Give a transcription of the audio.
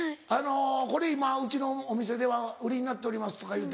「これ今うちのお店では売りになっております」とか言うて。